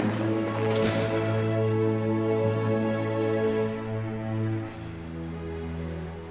gak ada apa apa